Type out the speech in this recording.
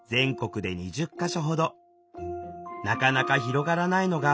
なかなか広がらないのが現状なの。